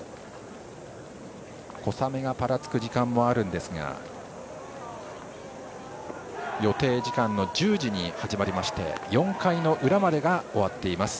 小雨がぱらつく時間もあるんですが予定時間の１０時に始まりまして４回の裏までが終わっています。